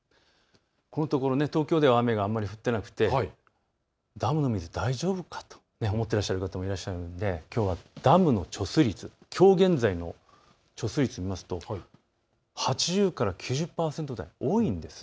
ここのところ、東京では雨があまり降っていなくてダムの水、大丈夫かと思っていらっしゃる方もいると思うのできょうはダムの貯水率、きょう現在の貯水率を見ますと８０から９０％台、多いんです。